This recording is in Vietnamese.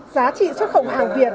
giá trị xuất khẩu hàng việt